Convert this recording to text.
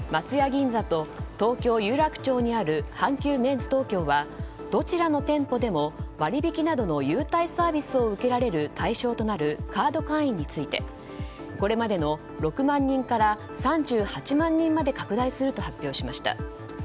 銀座と東京・有楽町にある阪急メンズ東京はどちらの店舗でも割引などの優待サービスを受けられる対象となるカード会員についてこれまでの６万人から３８万人まで拡大すると発表しました。